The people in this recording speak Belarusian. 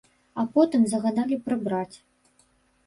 А потым загадалі прыбраць.